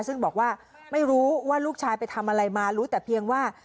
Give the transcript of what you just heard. ซึ่งบอกว่าไม่รู้ว่าลูกชายไปทำอะไรมารู้แต่เพียงว่า